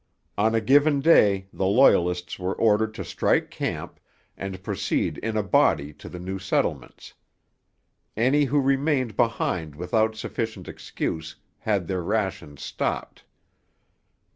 On a given day the Loyalists were ordered to strike camp, and proceed in a body to the new settlements. Any who remained behind without sufficient excuse had their rations stopped.